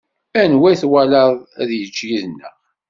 Anwa i twalaḍ ad yečč yid-neɣ?